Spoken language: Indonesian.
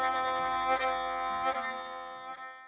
negara itu yang menjengkelikkan kita